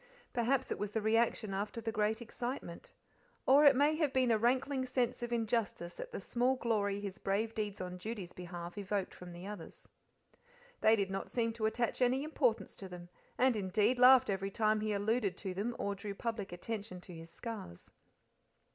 Perhaps it was the reaction after the great excitement. Or it may have been a rankling sense of injustice at the small glory his brave deeds on Judy's behalf evoked from the others. They did not seem to attach any importance to them, and, indeed, laughed every time he alluded to them or drew public attention to his scars.